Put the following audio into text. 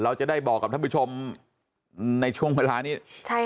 เราจะได้บอกกับท่านผู้ชมในช่วงเวลานี้